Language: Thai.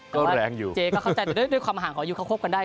ก็แรงอยู่เจ๊ก็เข้าใจแต่ด้วยความห่างของอายุเขาคบกันได้